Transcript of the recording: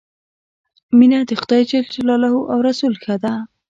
مینه د خدای ج او رسول ښه ده.